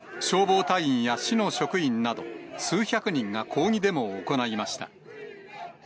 ロサンゼルスで８日、消防隊員や市の職員など、数百人が抗議デモを行いました。